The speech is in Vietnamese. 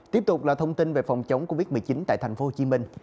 tiếp tục là thông tin về phòng chống covid một mươi chín tại thành phố hồ chí minh